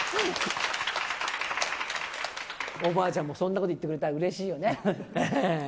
おばあちゃんもそんなこと言ってくれたらうれしいよね。